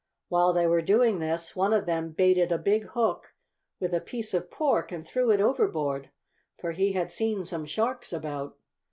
While they were doing this one of them baited a big hook with a piece of pork and threw it overboard, for he had seen some sharks about.